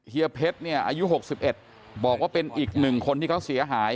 เฮียเพชรเนี่ยอายุ๖๑บอกว่าเป็นอีกหนึ่งคนที่เขาเสียหาย